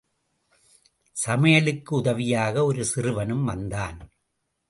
சமையலுக்கு உதவியாக ஒரு சிறுவனும் வந்தான்.